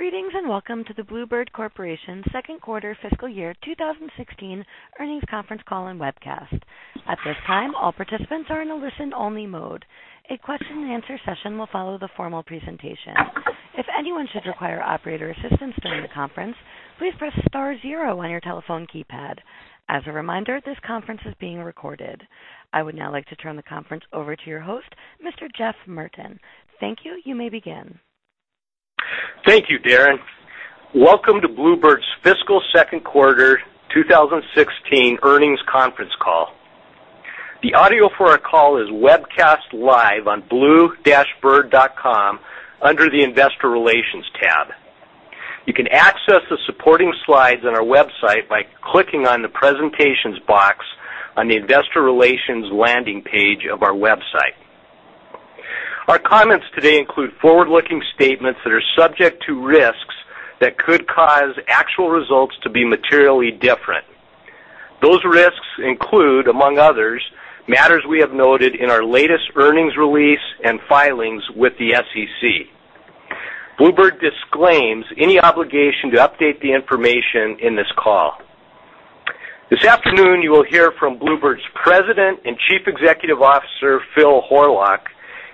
Greetings. Welcome to the Blue Bird Corporation second quarter fiscal year 2016 earnings conference call and webcast. At this time, all participants are in a listen-only mode. A question-and-answer session will follow the formal presentation. If anyone should require operator assistance during the conference, please press star 0 on your telephone keypad. As a reminder, this conference is being recorded. I would now like to turn the conference over to your host, Mr. Jeff Merten. Thank you. You may begin. Thank you, Darren. Welcome to Blue Bird's fiscal second quarter 2016 earnings conference call. The audio for our call is webcast live on blue-bird.com under the Investor Relations tab. You can access the supporting slides on our website by clicking on the presentations box on the Investor Relations landing page of our website. Our comments today include forward-looking statements that are subject to risks that could cause actual results to be materially different. Those risks include, among others, matters we have noted in our latest earnings release and filings with the SEC. Blue Bird disclaims any obligation to update the information in this call. This afternoon, you will hear from Blue Bird's President and Chief Executive Officer, Phil Horlock,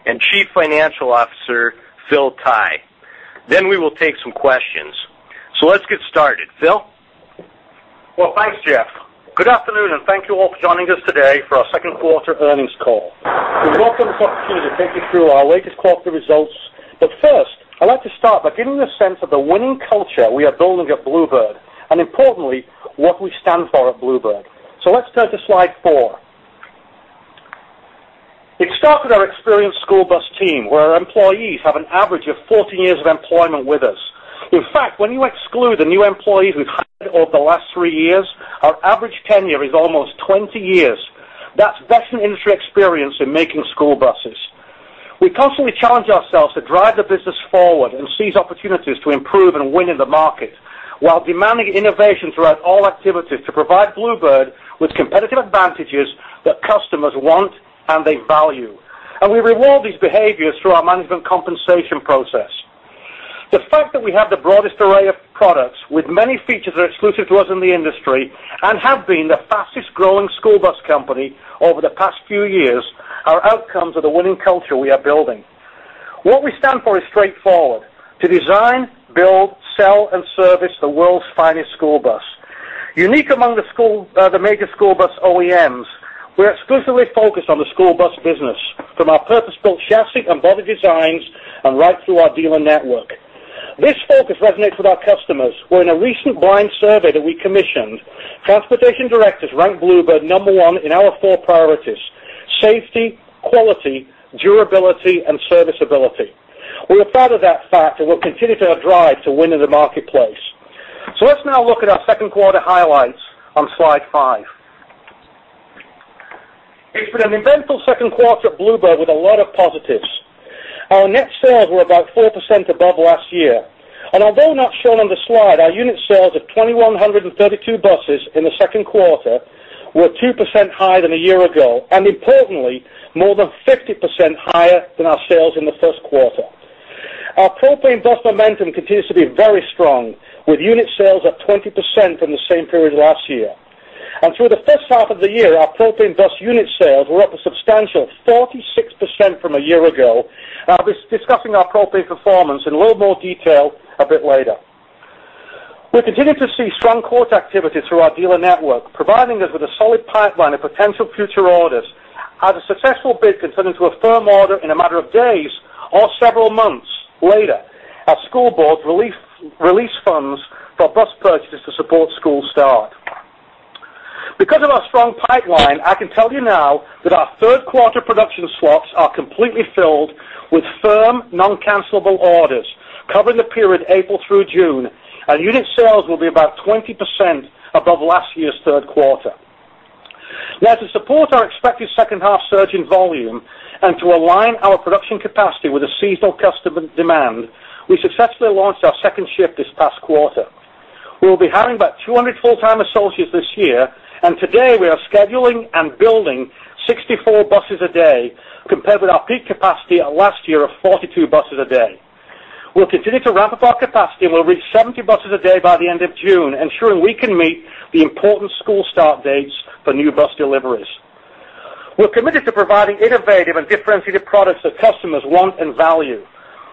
and Chief Financial Officer, Phillip Tighe. We will take some questions. Let's get started. Phil? Well, thanks, Jeff. Good afternoon. Thank you all for joining us today for our second quarter earnings call. First, I'd like to start by giving a sense of the winning culture we are building at Blue Bird and importantly, what we stand for at Blue Bird. Let's turn to slide four. It starts with our experienced school bus team, where our employees have an average of 14 years of employment with us. In fact, when you exclude the new employees we've hired over the last three years, our average tenure is almost 20 years. That's vast industry experience in making school buses. We constantly challenge ourselves to drive the business forward and seize opportunities to improve and win in the market while demanding innovation throughout all activities to provide Blue Bird with competitive advantages that customers want and they value. We reward these behaviors through our management compensation process. The fact that we have the broadest array of products with many features that are exclusive to us in the industry and have been the fastest-growing school bus company over the past few years are outcomes of the winning culture we are building. What we stand for is straightforward: to design, build, sell, and service the world's finest school bus. Unique among the major school bus OEMs, we are exclusively focused on the school bus business from our purpose-built chassis and body designs and right through our dealer network. This focus resonates with our customers, where in a recent blind survey that we commissioned, transportation directors ranked Blue Bird number one in our four priorities, safety, quality, durability, and serviceability. We are proud of that fact and will continue to drive to win in the marketplace. Let's now look at our second quarter highlights on slide five. It's been an eventful second quarter at Blue Bird with a lot of positives. Our net sales were about 4% above last year. Although not shown on the slide, our unit sales of 2,132 buses in the second quarter were 2% higher than a year ago, and importantly, more than 50% higher than our sales in the first quarter. Our propane bus momentum continues to be very strong, with unit sales up 20% from the same period last year. Through the first half of the year, our propane bus unit sales were up a substantial 46% from a year ago. I'll be discussing our propane performance in a little more detail a bit later. We continue to see strong quote activity through our dealer network, providing us with a solid pipeline of potential future orders as a successful bid can turn into a firm order in a matter of days or several months later as school boards release funds for bus purchases to support school start. Because of our strong pipeline, I can tell you now that our third-quarter production slots are completely filled with firm, non-cancelable orders covering the period April through June, and unit sales will be about 20% above last year's third quarter. To support our expected second-half surge in volume and to align our production capacity with the seasonal customer demand, we successfully launched our second shift this past quarter. We will be hiring about 200 full-time associates this year, and today we are scheduling and building 64 buses a day compared with our peak capacity of last year of 42 buses a day. We'll continue to ramp up our capacity, and we'll reach 70 buses a day by the end of June, ensuring we can meet the important school start dates for new bus deliveries. We're committed to providing innovative and differentiated products that customers want and value.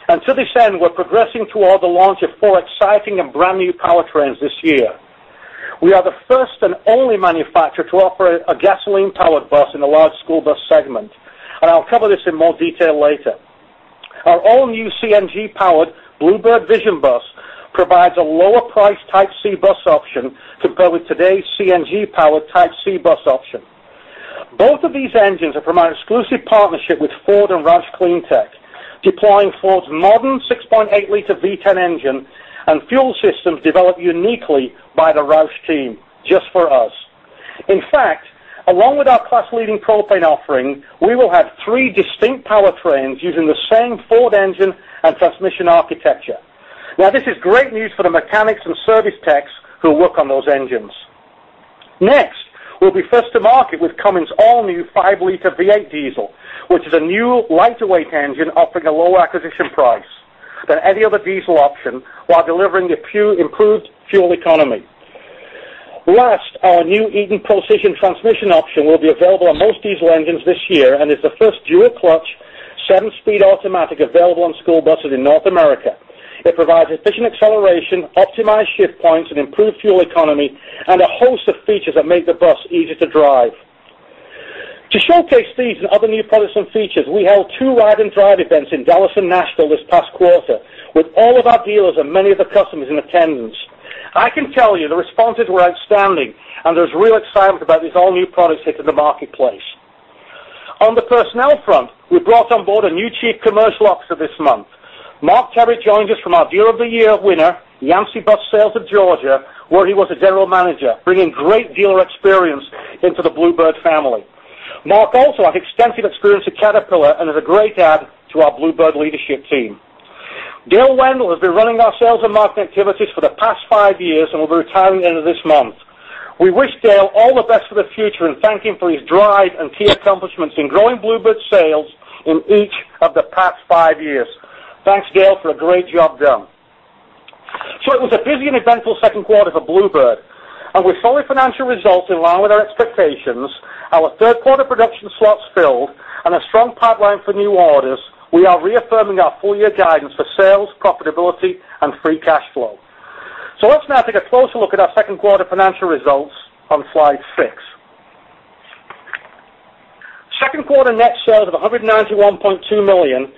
To this end, we're progressing toward the launch of four exciting and brand-new powertrains this year. We are the first and only manufacturer to offer a gasoline-powered bus in the large school bus segment, and I'll cover this in more detail later. Our all-new CNG-powered Blue Bird Vision bus provides a lower price Type C bus option to go with today's CNG-powered Type C bus option. Both of these engines are from our exclusive partnership with Ford and ROUSH CleanTech, deploying Ford's modern 6.8L V10 engine and fuel systems developed uniquely by the Roush team just for us. In fact, along with our class-leading propane offering, we will have three distinct powertrains using the same Ford engine and transmission architecture. This is great news for the mechanics and service techs who work on those engines. We'll be first to market with Cummins' all-new 5.0L V8 diesel, which is a new lightweight engine offering a low acquisition price than any other diesel option while delivering improved fuel economy. Our new Eaton Procision Transmission option will be available on most diesel engines this year and is the first dual-clutch, seven-speed automatic available on school buses in North America. It provides efficient acceleration, optimized shift points, and improved fuel economy, and a host of features that make the bus easier to drive. To showcase these and other new products and features, we held two ride-and-drive events in Dallas and Nashville this past quarter with all of our dealers and many of the customers in attendance. I can tell you the responses were outstanding, and there's real excitement about these all-new products hitting the marketplace. On the personnel front, we brought on board a new Chief Commercial Officer this month. Mark Terry joins us from our Dealer of the Year winner, Yancey Bus Sales of Georgia, where he was a general manager, bringing great dealer experience into the Blue Bird family. Mark also has extensive experience at Caterpillar and is a great add to our Blue Bird leadership team. Dale Wendell has been running our sales and marketing activities for the past five years and will be retiring at the end of this month. We wish Dale all the best for the future and thank him for his drive and key accomplishments in growing Blue Bird sales in each of the past five years. Thanks, Dale, for a great job done. It was a busy and eventful second quarter for Blue Bird, and with solid financial results in line with our expectations, our third-quarter production slots filled, and a strong pipeline for new orders, we are reaffirming our full-year guidance for sales, profitability, and free cash flow. Let's now take a closer look at our second quarter financial results on slide six. Second quarter net sales of $191.2 million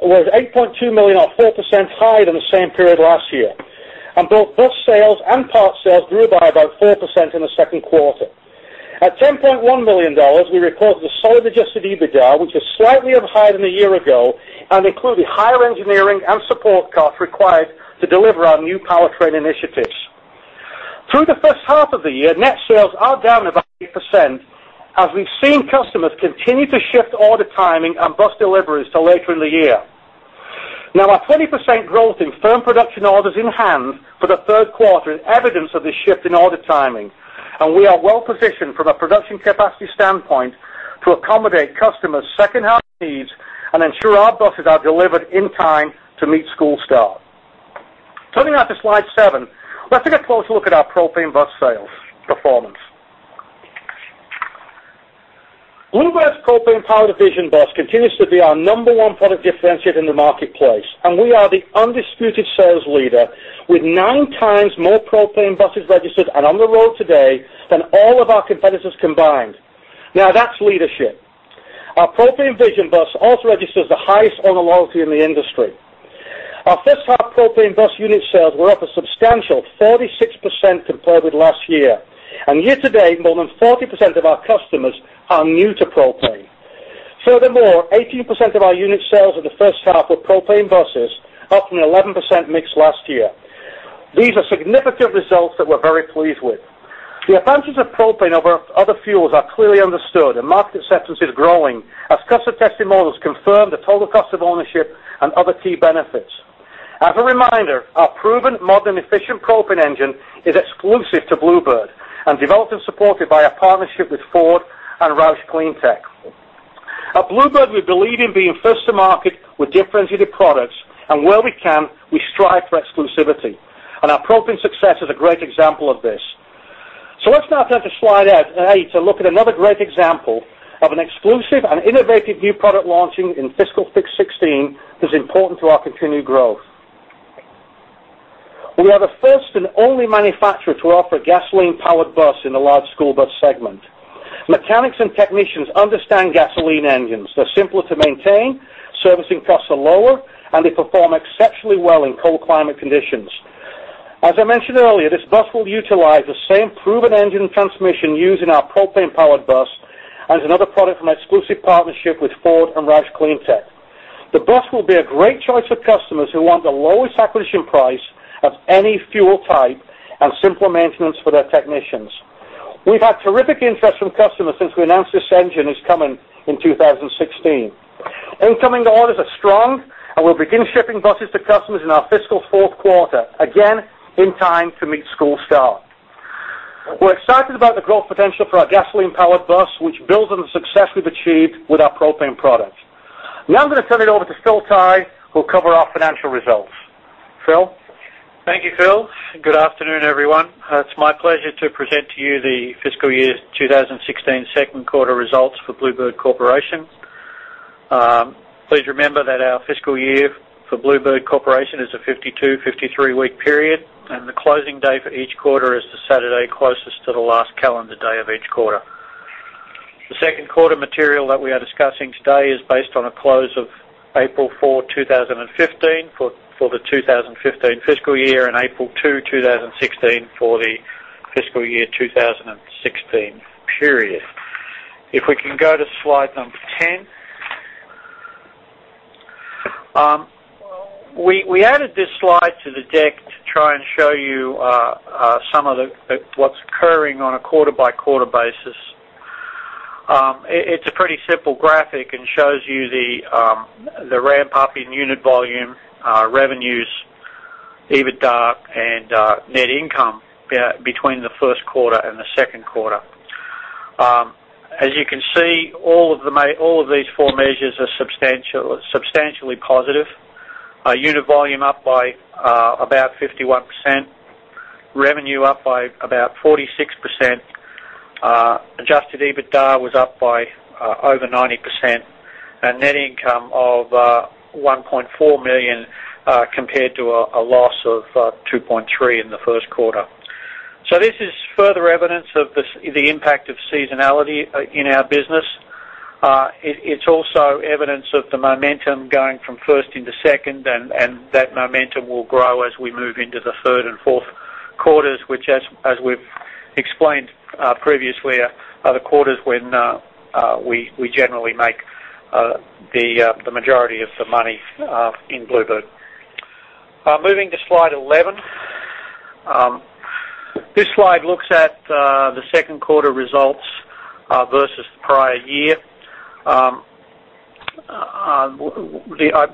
was $8.2 million or 4% higher than the same period last year. Both bus sales and parts sales grew by about 4% in the second quarter. At $10.1 million, we recorded a solid adjusted EBITDA, which is slightly up higher than a year ago and included higher engineering and support costs required to deliver our new powertrain initiatives. Through the first half of the year, net sales are down about 8% as we've seen customers continue to shift order timing and bus deliveries to later in the year. Our 20% growth in firm production orders in hand for the third quarter is evidence of this shift in order timing, and we are well-positioned from a production capacity standpoint to accommodate customers' second-half needs and ensure our buses are delivered in time to meet school start. Turning now to slide seven, let's take a closer look at our propane bus sales performance. Blue Bird's propane-powered Vision bus continues to be our number one product differentiator in the marketplace, and we are the undisputed sales leader with nine times more propane buses registered and on the road today than all of our competitors combined. That's leadership. Our propane Vision bus also registers the highest owner loyalty in the industry. Our first half propane bus unit sales were up a substantial 46% compared with last year, and year-to-date, more than 40% of our customers are new to propane. Furthermore, 18% of our unit sales in the first half were propane buses, up from the 11% mix last year. These are significant results that we're very pleased with. The advantages of propane over other fuels are clearly understood, and market acceptance is growing as customer testimonials confirm the total cost of ownership and other key benefits. As a reminder, our proven modern efficient propane engine is exclusive to Blue Bird and developed and supported by our partnership with Ford and ROUSH CleanTech. At Blue Bird, we believe in being first to market with differentiated products, and where we can, we strive for exclusivity, and our propane success is a great example of this. Let's now turn to slide eight to look at another great example of an exclusive and innovative new product launching in fiscal 2016 that's important to our continued growth. We are the first and only manufacturer to offer a gasoline-powered bus in the large school bus segment. Mechanics and technicians understand gasoline engines. They're simpler to maintain, servicing costs are lower, and they perform exceptionally well in cold climate conditions. As I mentioned earlier, this bus will utilize the same proven engine and transmission used in our propane-powered bus as another product from our exclusive partnership with Ford and ROUSH CleanTech. The bus will be a great choice for customers who want the lowest acquisition price of any fuel type and simpler maintenance for their technicians. We've had terrific interest from customers since we announced this engine is coming in 2016. Incoming orders are strong, and we'll begin shipping buses to customers in our fiscal fourth quarter, again, in time to meet school start. We're excited about the growth potential for our gasoline-powered bus, which builds on the success we've achieved with our propane product. Now I'm going to turn it over to Phil Tighe, who will cover our financial results. Phil? Thank you, Phil. Good afternoon, everyone. It's my pleasure to present to you the fiscal year 2016 second quarter results for Blue Bird Corporation. Please remember that our fiscal year for Blue Bird Corporation is a 52, 53-week period, and the closing day for each quarter is the Saturday closest to the last calendar day of each quarter. The second quarter material that we are discussing today is based on a close of April 4, 2015, for the 2015 fiscal year, and April 2, 2016, for the fiscal year 2016 period. If we can go to slide number 10. We added this slide to the deck to try and show you some of what's occurring on a quarter-by-quarter basis. It's a pretty simple graphic and shows you the ramp-up in unit volume, revenues, EBITDA, and net income between the first quarter and the second quarter. As you can see, all of these four measures are substantially positive. Unit volume up by about 51%, revenue up by about 46%, adjusted EBITDA was up by over 90%, and net income of $1.4 million, compared to a loss of $2.3 million in the first quarter. This is further evidence of the impact of seasonality in our business. It's also evidence of the momentum going from first into second, and that momentum will grow as we move into the third and fourth quarters, which as we've explained previously, are the quarters when we generally make the majority of the money in Blue Bird. Moving to slide 11. This slide looks at the second quarter results versus the prior year.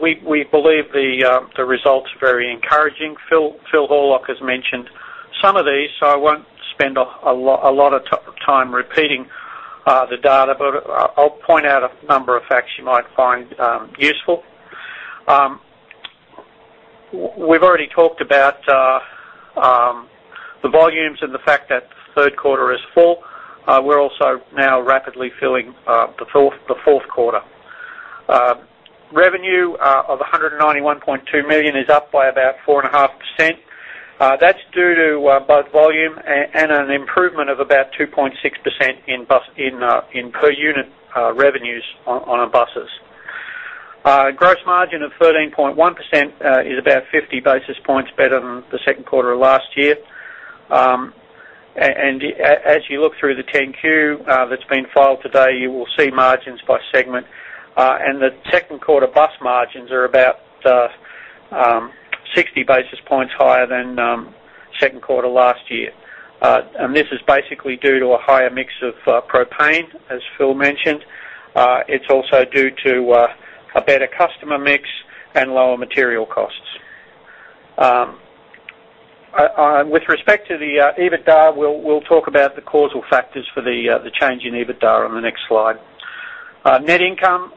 We believe the results very encouraging. Phil Horlock has mentioned some of these, I won't spend a lot of time repeating the data, but I'll point out a number of facts you might find useful. We've already talked about the volumes and the fact that the third quarter is full. We're also now rapidly filling the fourth quarter. Revenue of $191.2 million is up by about 4.5%. That's due to both volume and an improvement of about 2.6% in per unit revenues on our buses. Gross margin of 13.1% is about 50 basis points better than the second quarter of last year. As you look through the 10-Q that's been filed today, you will see margins by segment. The second quarter bus margins are about 60 basis points higher than second quarter last year. This is basically due to a higher mix of propane, as Phil mentioned. It's also due to a better customer mix and lower material costs. With respect to the EBITDA, we'll talk about the causal factors for the change in EBITDA on the next slide. Net income,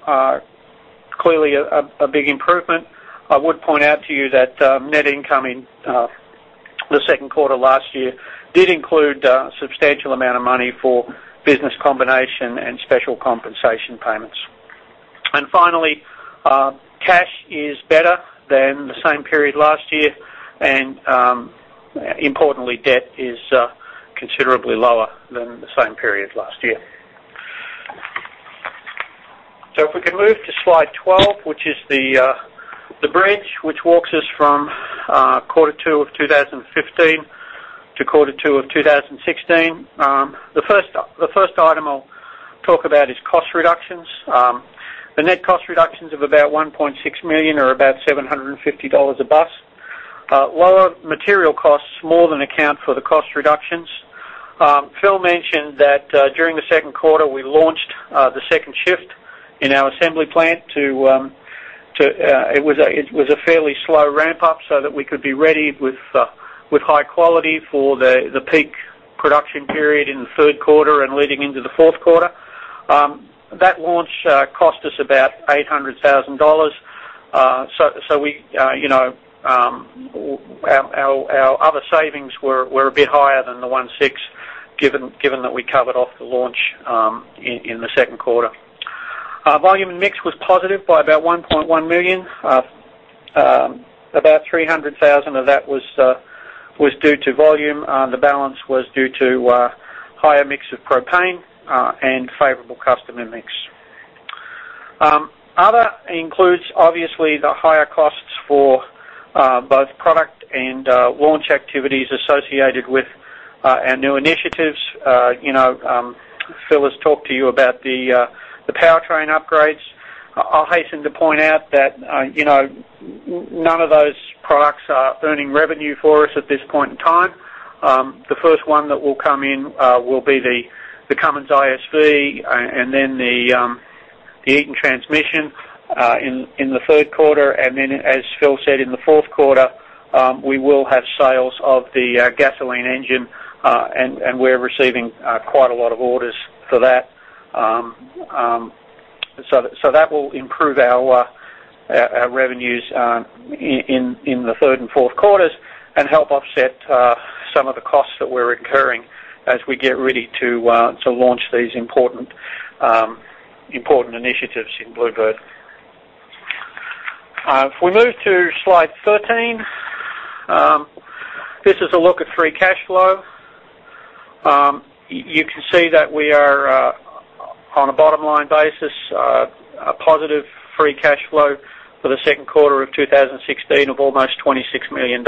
clearly a big improvement. I would point out to you that net income in the second quarter last year did include a substantial amount of money for business combination and special compensation payments. Finally, cash is better than the same period last year, and importantly, debt is considerably lower than the same period last year. If we can move to slide 12, which is the bridge which walks us from quarter 2 of 2015 to quarter 2 of 2016. The first item I'll talk about is cost reductions. The net cost reductions of about $1.6 million are about $750 a bus. Lower material costs more than account for the cost reductions. Phil mentioned that during the second quarter, we launched the second shift in our assembly plant. It was a fairly slow ramp up so that we could be ready with high quality for the peak production period in the third quarter and leading into the fourth quarter. That launch cost us about $800,000. Our other savings were a bit higher than the one six, given that we covered off the launch in the second quarter. Volume and mix was positive by about $1.1 million. About $300,000 of that was due to volume. The balance was due to a higher mix of propane and favorable customer mix. Other includes, obviously, the higher costs for both product and launch activities associated with our new initiatives. Phil has talked to you about the powertrain upgrades. I'll hasten to point out that none of those products are earning revenue for us at this point in time. The first one that will come in will be the Cummins ISV and then the Eaton transmission in the third quarter. Then, as Phil said, in the fourth quarter, we will have sales of the gasoline engine, and we're receiving quite a lot of orders for that. That will improve our revenues in the third and fourth quarters and help offset some of the costs that we're incurring as we get ready to launch these important initiatives in Blue Bird. If we move to slide 13, this is a look at free cash flow. You can see that we are on a bottom-line basis, a positive free cash flow for the second quarter of 2016 of almost $26 million.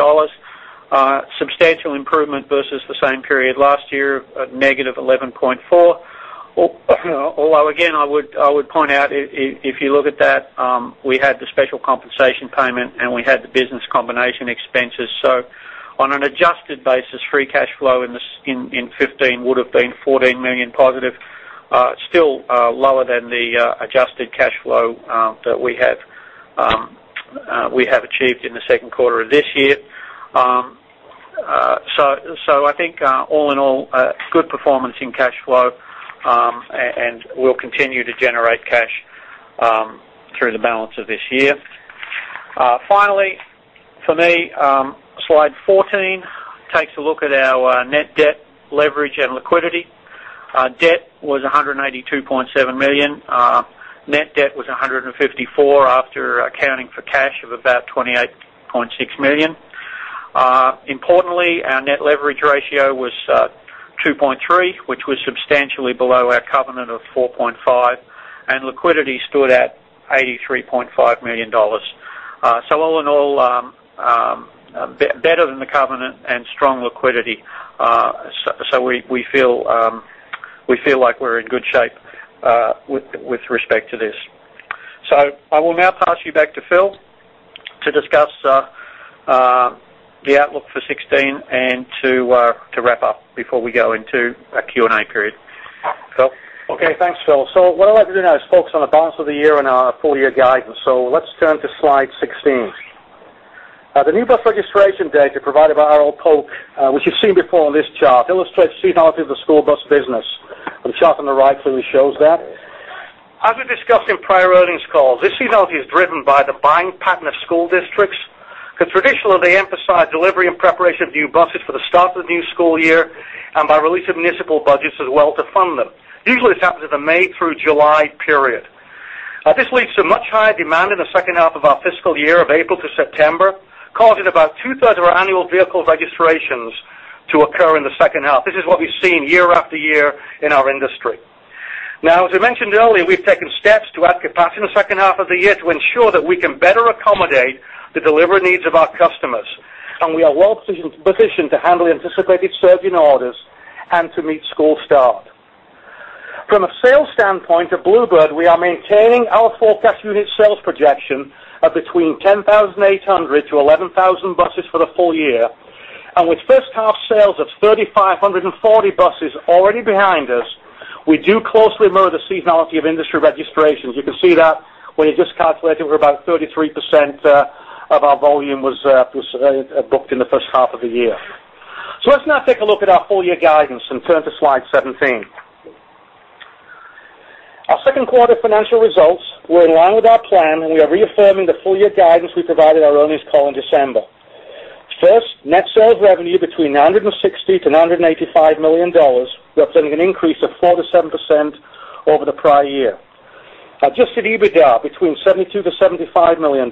Substantial improvement versus the same period last year of negative $11.4 million. Although, again, I would point out, if you look at that, we had the special compensation payment and we had the business combination expenses. On an adjusted basis, free cash flow in 2015 would have been $14 million positive, still lower than the adjusted cash flow that we have achieved in the second quarter of this year. I think all in all, good performance in cash flow, and we'll continue to generate cash through the balance of this year. Finally, for me, slide 14 takes a look at our net debt leverage and liquidity. Debt was $182.7 million. Net debt was $154 million after accounting for cash of about $28.6 million. Importantly, our net leverage ratio was 2.3, which was substantially below our covenant of 4.5, and liquidity stood at $83.5 million. All in all, better than the covenant and strong liquidity. We feel like we're in good shape with respect to this. I will now pass you back to Phil to discuss the outlook for 2016 and to wrap up before we go into a Q&A period. Phil? Okay, thanks, Phil. What I'd like to do now is focus on the balance of the year and our full-year guidance. Let's turn to slide 16. The new bus registration data provided by R. L. Polk & Co., which you've seen before on this chart, illustrates seasonality of the school bus business. The chart on the right clearly shows that. As we discussed in prior earnings calls, this seasonality is driven by the buying pattern of school districts, because traditionally, they emphasize delivery and preparation of new buses for the start of the new school year and by release of municipal budgets as well to fund them. Usually, this happens in the May through July period. This leads to much higher demand in the second half of our fiscal year of April to September, causing about two-thirds of our annual vehicle registrations to occur in the second half. This is what we've seen year after year in our industry. Now, as we mentioned earlier, we've taken steps to add capacity in the second half of the year to ensure that we can better accommodate the delivery needs of our customers, and we are well-positioned to handle the anticipated surge in orders and to meet school start. From a sales standpoint at Blue Bird, we are maintaining our forecast unit sales projection of between 10,800 to 11,000 buses for the full year. With first half sales of 3,540 buses already behind us, we do closely mirror the seasonality of industry registrations. You can see that when you just calculate it, we're about 33% of our volume was booked in the first half of the year. Let's now take a look at our full-year guidance and turn to slide 17. Our second quarter financial results were in line with our plan, we are reaffirming the full year guidance we provided our earnings call in December. First, net sales revenue between $960 million-$985 million, representing an increase of 4%-7% over the prior year. Adjusted EBITDA between $72 million-$75 million,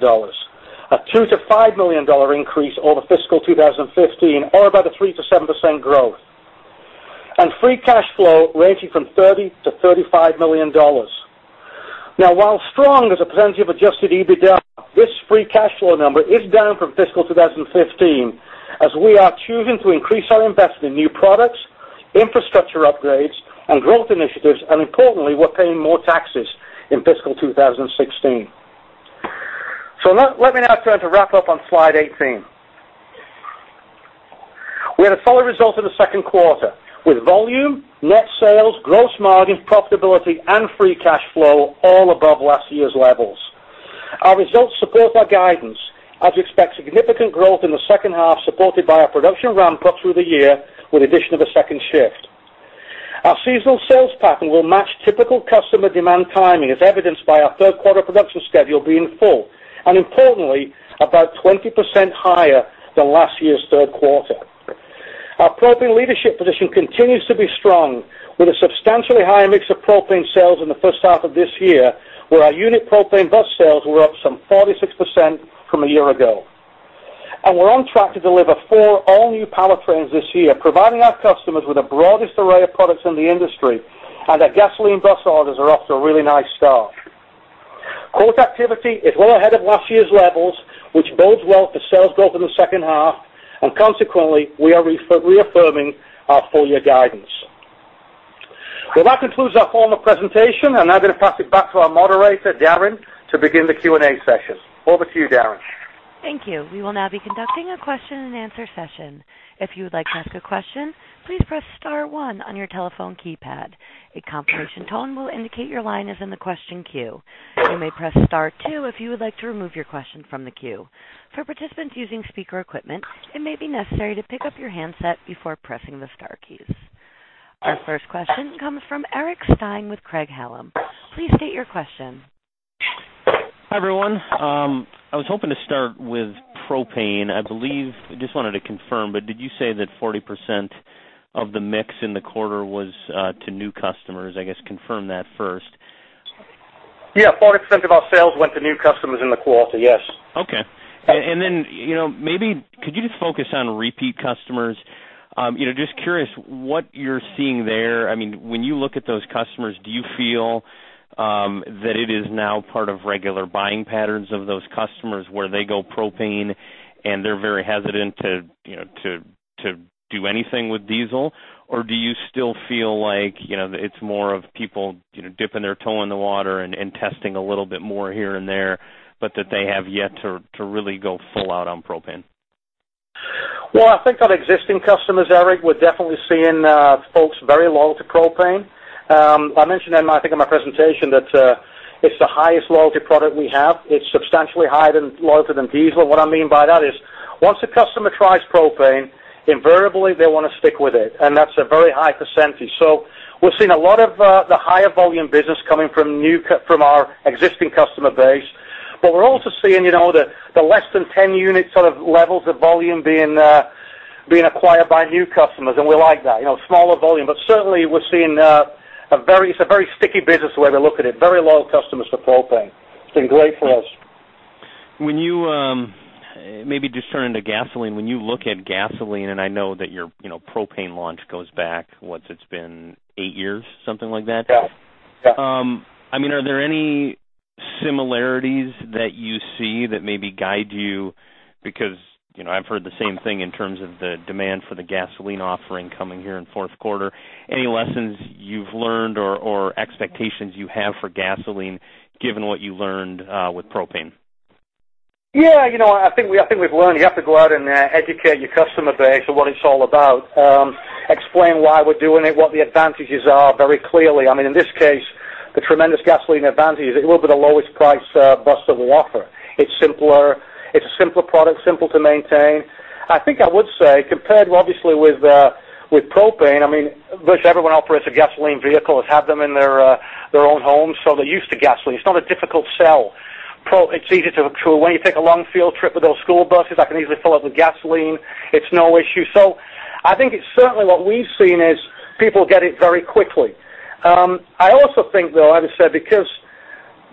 a $2 million-$5 million increase over fiscal 2015, or about a 3%-7% growth. Free cash flow ranging from $30 million-$35 million. Now, while strong as a percentage of Adjusted EBITDA, this free cash flow number is down from fiscal 2015, as we are choosing to increase our investment in new products, infrastructure upgrades and growth initiatives, and importantly, we're paying more taxes in fiscal 2016. Let me now turn to wrap up on slide 18. We had a solid result in the second quarter with volume, net sales, gross margin, profitability and free cash flow all above last year's levels. Our results support our guidance as we expect significant growth in the second half, supported by our production ramp-up through the year with the addition of a second shift. Our seasonal sales pattern will match typical customer demand timing, as evidenced by our third quarter production schedule being full, and importantly, about 20% higher than last year's third quarter. Our propane leadership position continues to be strong with a substantially higher mix of propane sales in the first half of this year, where our unit propane bus sales were up some 46% from a year ago. We're on track to deliver four all-new powertrains this year, providing our customers with the broadest array of products in the industry. Our gasoline bus orders are off to a really nice start. Quote activity is well ahead of last year's levels, which bodes well for sales growth in the second half, consequently, we are reaffirming our full-year guidance. Well, that concludes our formal presentation. I'm now going to pass it back to our moderator, Darren, to begin the Q&A session. Over to you, Darren. Thank you. We will now be conducting a question and answer session. If you would like to ask a question, please press star one on your telephone keypad. A confirmation tone will indicate your line is in the question queue. You may press star two if you would like to remove your question from the queue. For participants using speaker equipment, it may be necessary to pick up your handset before pressing the star keys. Our first question comes from Eric Stine with Craig-Hallum. Please state your question. Hi, everyone. I was hoping to start with propane. I just wanted to confirm, did you say that 40% of the mix in the quarter was to new customers? I guess confirm that first. Yeah, 40% of our sales went to new customers in the quarter, yes. Okay. Maybe could you just focus on repeat customers? Just curious what you're seeing there. When you look at those customers, do you feel that it is now part of regular buying patterns of those customers where they go propane and they're very hesitant to do anything with diesel, or do you still feel like it's more of people dipping their toe in the water and testing a little bit more here and there, but that they have yet to really go full out on propane? Well, I think on existing customers, Eric, we're definitely seeing folks very loyal to propane. I mentioned, I think in my presentation, that it's the highest loyalty product we have. It's substantially higher loyalty than diesel. What I mean by that is, once a customer tries propane, invariably they want to stick with it, and that's a very high percentage. We're seeing a lot of the higher volume business coming from our existing customer base. We're also seeing the less than 10 unit sort of levels of volume being acquired by new customers, and we like that. Smaller volume. Certainly, we're seeing a very sticky business, the way to look at it. Very loyal customers to propane. It's been great for us. Maybe just turning to gasoline. When you look at gasoline, and I know that your propane launch goes back, what's it been, eight years, something like that? Yeah. Are there any similarities that you see that maybe guide you? I've heard the same thing in terms of the demand for the gasoline offering coming here in fourth quarter. Any lessons you've learned or expectations you have for gasoline, given what you learned with propane? I think we've learned you have to go out and educate your customer base on what it's all about. Explain why we're doing it, what the advantages are very clearly. In this case, the tremendous gasoline advantage is it will be the lowest price bus that we'll offer. It's simpler. It's a simpler product, simple to maintain. I think I would say, compared obviously with propane, virtually everyone operates a gasoline vehicle, has had them in their own home, so they're used to gasoline. It's not a difficult sell. When you take a long field trip with those school buses, I can easily fill it with gasoline. It's no issue. I think it's certainly what we've seen is people get it very quickly. I also think, though, as I said, because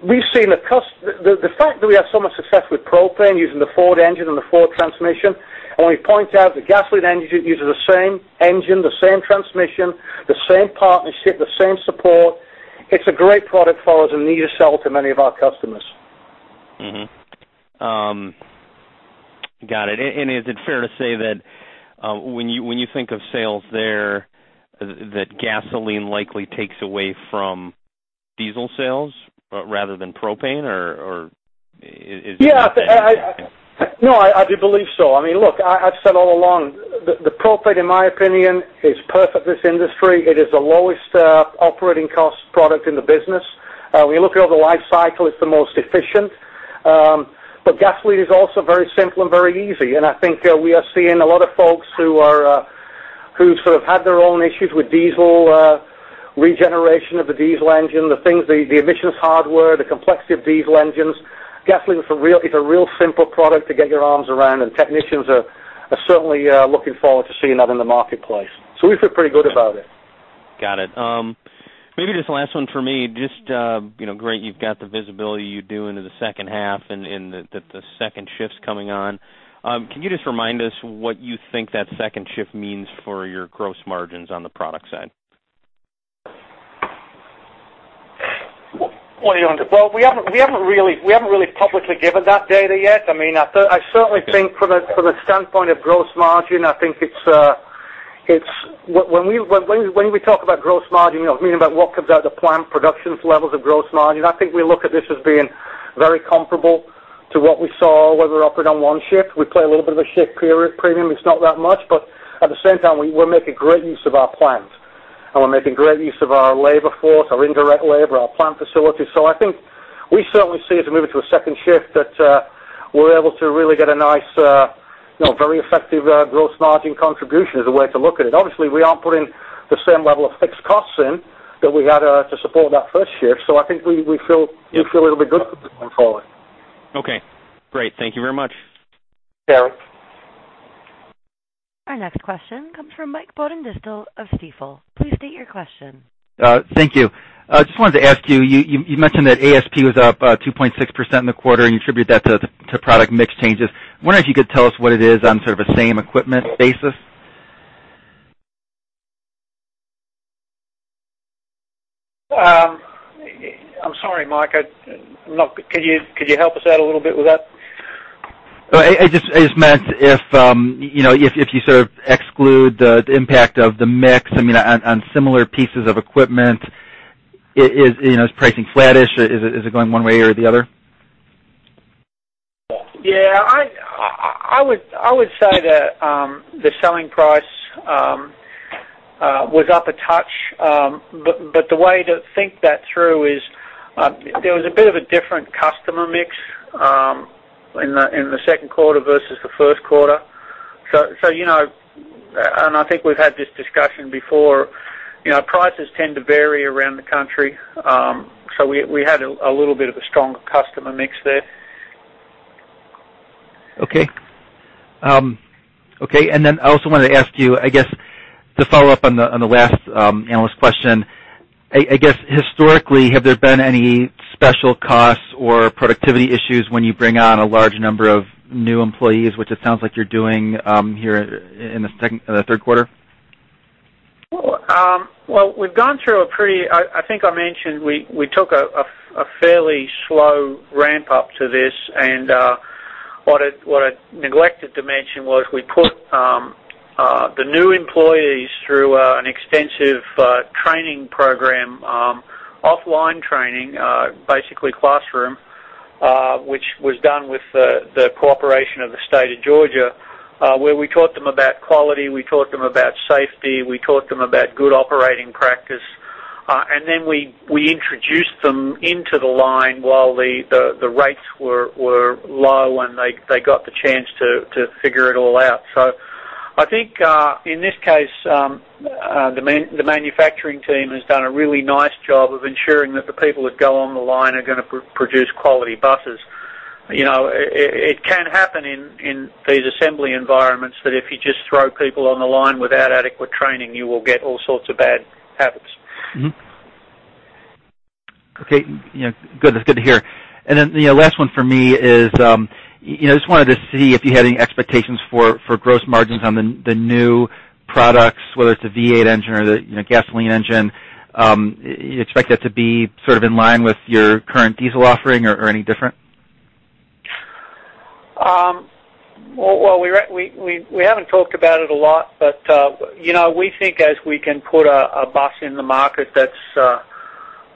the fact that we had so much success with propane using the Ford engine and the Ford transmission, and when we point out the gasoline engine uses the same engine, the same transmission, the same partnership, the same support, it's a great product for us and an easy sell to many of our customers. Got it. Is it fair to say that when you think of sales there, that gasoline likely takes away from diesel sales rather than propane? No, I do believe so. Look, I've said all along, the propane, in my opinion, is perfect for this industry. It is the lowest operating cost product in the business. When you look at over the life cycle, it's the most efficient. Gasoline is also very simple and very easy, and I think we are seeing a lot of folks who've sort of had their own issues with diesel, regeneration of the diesel engine, the things, the emissions hardware, the complexity of diesel engines. Gasoline is a real simple product to get your arms around, and technicians are certainly looking forward to seeing that in the marketplace. We feel pretty good about it. Got it. Maybe just the last one for me. Just, great, you've got the visibility you do into the second half and the second shift's coming on. Can you just remind us what you think that second shift means for your gross margins on the product side? Well, we haven't really publicly given that data yet. I certainly think from the standpoint of gross margin, when we talk about gross margin, we mean about what comes out the plant productions levels of gross margin. I think we look at this as being very comparable to what we saw when we were operating on one shift. We play a little bit of a shift period premium. It's not that much, but at the same time, we're making great use of our plant, and we're making great use of our labor force, our indirect labor, our plant facilities. I think we certainly see as we move into a second shift, that we're able to really get a nice, very effective gross margin contribution as a way to look at it. Obviously, we aren't putting the same level of fixed costs in that we had to support that first shift, so I think we feel a little bit good about that going forward. Okay, great. Thank you very much. Yeah. Our next question comes from Michael Shlisky of Stifel. Please state your question. Thank you. Just wanted to ask you mentioned that ASP was up 2.6% in the quarter, and you attribute that to product mix changes. I wonder if you could tell us what it is on sort of a same equipment basis. I'm sorry, Mike. Could you help us out a little bit with that? I just meant if you sort of exclude the impact of the mix, on similar pieces of equipment. Is pricing flattish? Is it going one way or the other? I would say that the selling price was up a touch. The way to think that through is, there was a bit of a different customer mix in the second quarter versus the first quarter. I think we've had this discussion before. Prices tend to vary around the country. We had a little bit of a stronger customer mix there. Okay. I also wanted to ask you, I guess, to follow up on the last analyst question. I guess historically, have there been any special costs or productivity issues when you bring on a large number of new employees, which it sounds like you're doing here in the third quarter? Well, I think I mentioned we took a fairly slow ramp-up to this, what I neglected to mention was we put the new employees through an extensive training program, offline training, basically classroom, which was done with the cooperation of the State of Georgia, where we taught them about quality, we taught them about safety, we taught them about good operating practice. We introduced them into the line while the rates were low, and they got the chance to figure it all out. I think, in this case, the manufacturing team has done a really nice job of ensuring that the people that go on the line are going to produce quality buses. It can happen in these assembly environments that if you just throw people on the line without adequate training, you will get all sorts of bad habits. Okay. Good. That's good to hear. The last one for me is, I just wanted to see if you had any expectations for gross margins on the new products, whether it's a V8 engine or the gasoline engine. You expect that to be sort of in line with your current diesel offering or any different? Well, we haven't talked about it a lot, but we think as we can put a bus in the market that's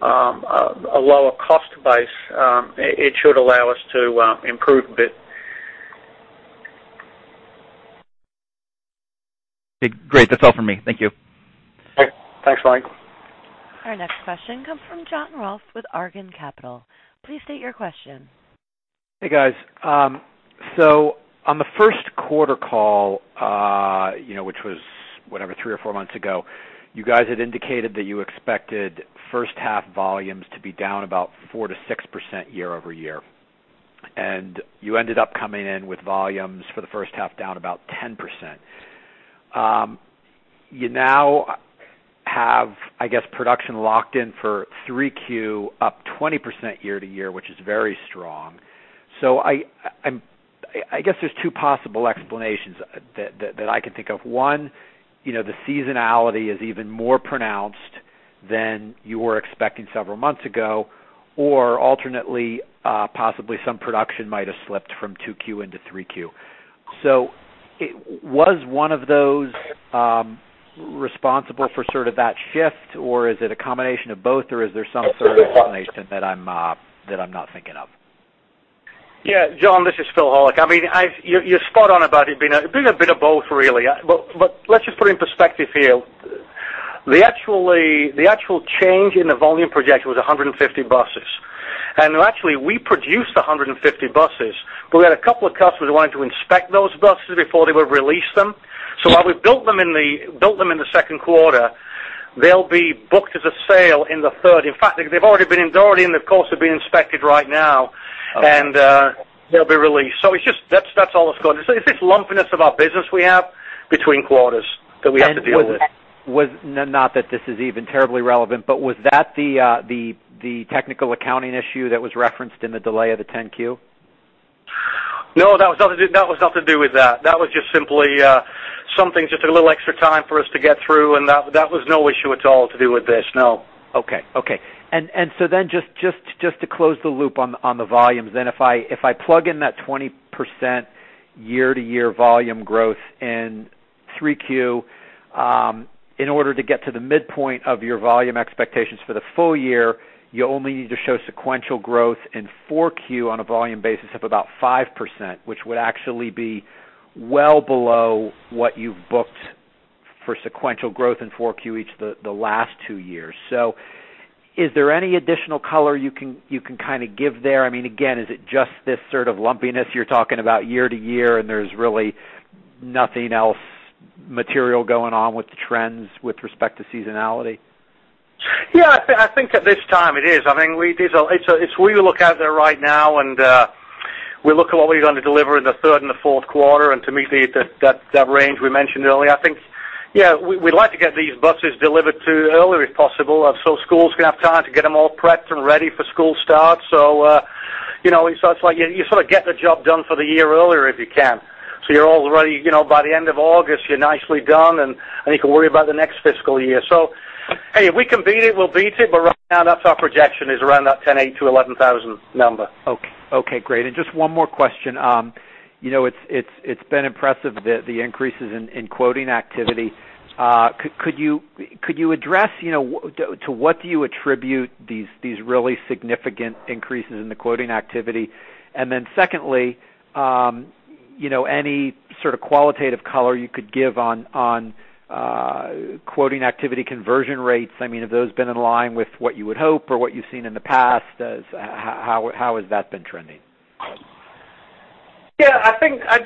a lower cost base, it should allow us to improve a bit. Great. That's all for me. Thank you. Thanks, Mike. Our next question comes from Jon Rohlf with Argon Capital. Please state your question. Hey, guys. On the first quarter call, which was, whatever, three or four months ago, you guys had indicated that you expected first half volumes to be down about 4%-6% year-over-year. You ended up coming in with volumes for the first half down about 10%. You now have, I guess, production locked in for Q3 up 20% year-to-year, which is very strong. I guess there's two possible explanations that I can think of. One, the seasonality is even more pronounced than you were expecting several months ago, or alternately, possibly some production might have slipped from Q2 into Q3. Was one of those responsible for sort of that shift, or is it a combination of both, or is there some sort of explanation that I'm not thinking of? Yeah. Jon, this is Phil Horlock. You're spot on about it being a bit of both, really. Let's just put it in perspective here. The actual change in the volume projection was 150 buses. Actually, we produced 150 buses. We had a couple of customers who wanted to inspect those buses before they would release them. While we built them in the second quarter, they'll be booked as a sale in the third. In fact, they're in the course of being inspected right now, and they'll be released. It's this lumpiness of our business we have between quarters that we have to deal with. Not that this is even terribly relevant, was that the technical accounting issue that was referenced in the delay of the 10-Q? No, that was nothing to do with that. That was just simply something, just a little extra time for us to get through, that was no issue at all to do with this, no. Okay. Then just to close the loop on the volumes, then if I plug in that 20% year-over-year volume growth in Q3, in order to get to the midpoint of your volume expectations for the full year, you only need to show sequential growth in Q4 on a volume basis of about 5%, which would actually be well below what you've booked for sequential growth in Q4 each the last two years. Is there any additional color you can give there? Again, is it just this sort of lumpiness you're talking about year-over-year, and there's really nothing else material going on with the trends with respect to seasonality? Yeah, I think at this time it is. We look out there right now, and we look at what we're going to deliver in the third and the fourth quarter and to meet that range we mentioned earlier. I think, yeah, we'd like to get these buses delivered too early if possible, so schools can have time to get them all prepped and ready for school start. It's like you sort of get the job done for the year earlier if you can. You're all ready by the end of August, you're nicely done, and you can worry about the next fiscal year. Hey, if we can beat it, we'll beat it. Right now, that's our projection, is around that 10, eight to 11,000 number. Okay, great. Just one more question. It's been impressive, the increases in quoting activity. Could you address to what do you attribute these really significant increases in the quoting activity? Secondly, any sort of qualitative color you could give on quoting activity conversion rates? Have those been in line with what you would hope or what you've seen in the past? How has that been trending? Yeah, we think the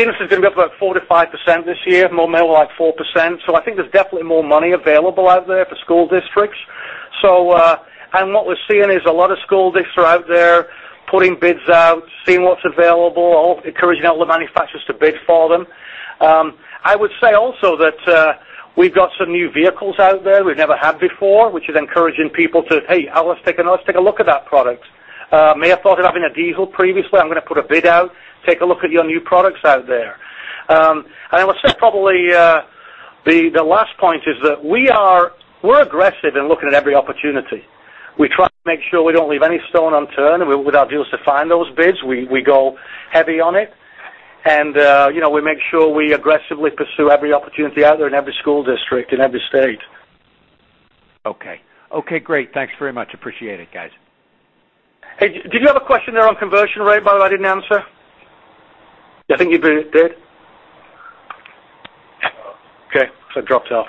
industry is going to be up about 4%-5% this year, more like 4%. I think there's definitely more money available out there for school districts. What we're seeing is a lot of school districts are out there putting bids out, seeing what's available, encouraging all the manufacturers to bid for them. I would say also that we've got some new vehicles out there we've never had before, which is encouraging people to, "Hey, let's take a look at that product. May have thought of having a diesel previously. I'm going to put a bid out, take a look at your new products out there. I would say probably the last point is that we're aggressive in looking at every opportunity. We try to make sure we don't leave any stone unturned with our deals to find those bids. We go heavy on it. We make sure we aggressively pursue every opportunity out there in every school district, in every state. Okay. Okay, great. Thanks very much. Appreciate it, guys. Hey, did you have a question there on conversion rate, by the way, I didn't answer? I think you did. It dropped off,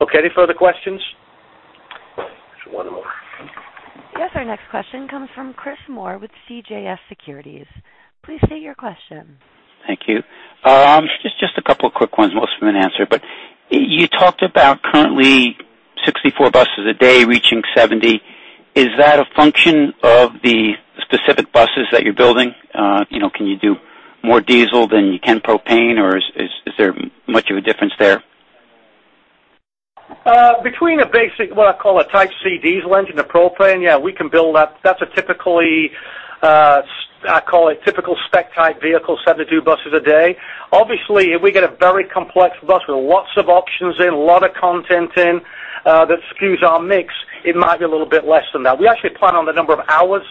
okay. Any further questions? There's one more. Yes, our next question comes from Chris Moore with CJS Securities. Please state your question. Thank you. Just a couple of quick ones, most have been answered. You talked about currently 64 buses a day, reaching 70. Is that a function of the specific buses that you're building? Can you do more diesel than you can propane, or is there much of a difference there? Between a basic, what I call a type C diesel engine to propane, yeah, we can build that. That's a typically, I call it typical spec-type vehicle, 72 buses a day. Obviously, if we get a very complex bus with lots of options in, a lot of content in, that skews our mix, it might be a little bit less than that. We actually plan on the number of hours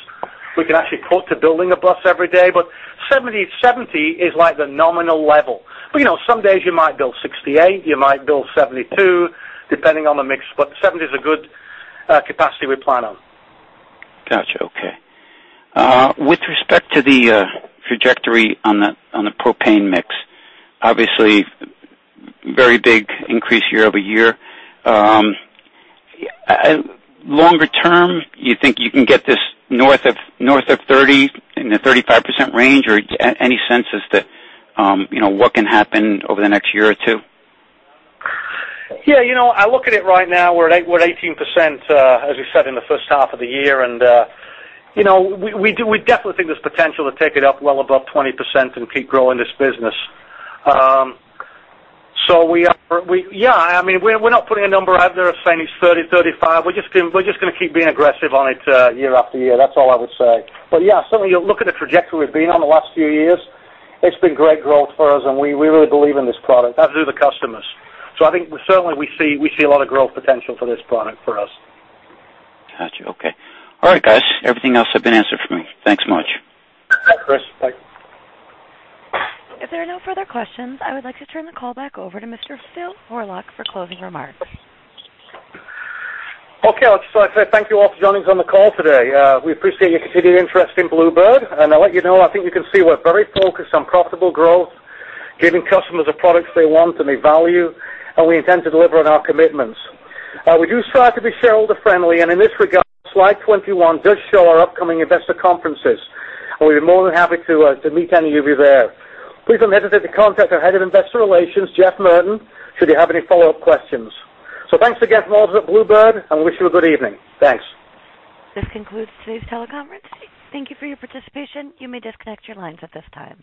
we can actually put to building a bus every day, but 70 is like the nominal level. Some days you might build 68, you might build 72, depending on the mix. 70 is a good capacity we plan on. Got you. Okay. With respect to the trajectory on the propane mix, obviously very big increase year-over-year. Longer term, you think you can get this north of 30%, in the 35% range, or any sense as to what can happen over the next year or two? Yeah. I look at it right now, we're at 18%, as we said, in the first half of the year, and we definitely think there's potential to take it up well above 20% and keep growing this business. We're not putting a number out there saying it's 30%, 35%. We're just going to keep being aggressive on it year after year. That's all I would say. Yeah, certainly, you look at the trajectory we've been on the last few years, it's been great growth for us, and we really believe in this product, as do the customers. I think certainly we see a lot of growth potential for this product for us. Got you. Okay. All right, guys. Everything else has been answered for me. Thanks much. Bye, Chris. Bye. If there are no further questions, I would like to turn the call back over to Mr. Phil Horlock for closing remarks. Okay. I'd just like to say thank you all for joining us on the call today. We appreciate your continued interest in Blue Bird. I'll let you know, I think you can see we're very focused on profitable growth, giving customers the products they want and they value, and we intend to deliver on our commitments. We do strive to be shareholder-friendly, and in this regard, slide twenty-one does show our upcoming investor conferences, and we'd be more than happy to meet any of you there. Please don't hesitate to contact our Head of Investor Relations, Jeff Merten, should you have any follow-up questions. Thanks again from all of us at Blue Bird, and we wish you a good evening. Thanks. This concludes today's teleconference. Thank you for your participation. You may disconnect your lines at this time.